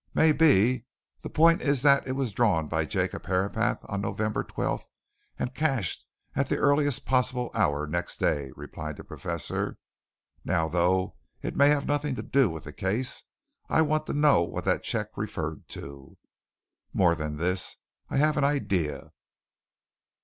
"May be; the point is that it was drawn by Jacob on November 12th and cashed at the earliest possible hour next day," replied the Professor. "Now, though it may have nothing to do with the case, I want to know what that cheque referred to. More than this, I have an idea.